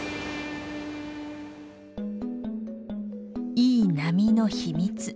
いい波の秘密。